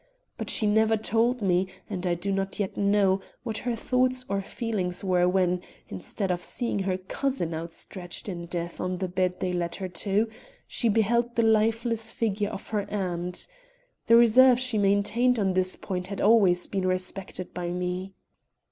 But she never told me, and I do not yet know, what her thoughts or feelings were when, instead of seeing her cousin outstretched in death on the bed they led her to, she beheld the lifeless figure of her aunt. The reserve she maintained on this point has been always respected by me.